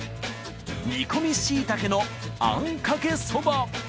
煮込みしいたけのあんかけそば